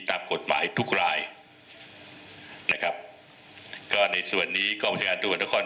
ตามกฎหมายทุกรายนะครับก็ในส่วนนี้กองประชาการตรวจนคร